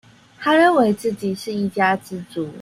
他認為自己是一家之主